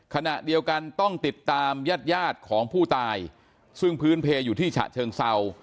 ขณะเดียวกันต้องติดตามญาติยาดของผู้ตายซึ่งพื้นเพลอยู่ที่ฉะเชิงเศร้า